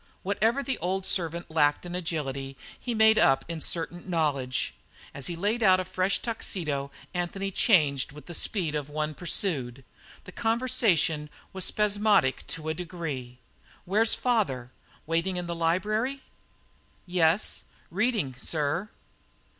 Whatever the old servant lacked in agility he made up in certain knowledge; as he laid out a fresh tuxedo, Anthony changed with the speed of one pursued. The conversation was spasmodic to a degree. "Where's father? Waiting in the library?" "Yes. Reading, sir."